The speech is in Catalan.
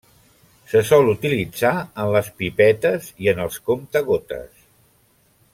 Se sol utilitzar en les pipetes i en els comptagotes.